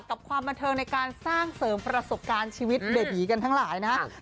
กับความบันเทิงในการสร้างเสริมประสบการณ์ชีวิตเบบีกันทั้งหลายนะครับ